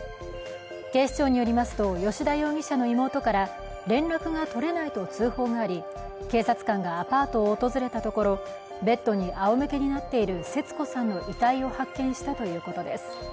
警視庁によりますと、吉田容疑者の妹から連絡が取れないと通報があり警察官がアパートを訪れたところ、ベッドにあおむけになっている節子さんの遺体を発見したということです。